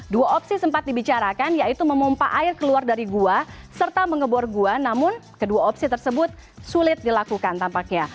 dua opsi sempat dibicarakan yaitu memompa air keluar dari gua serta mengebor gua namun kedua opsi tersebut sulit dilakukan tampaknya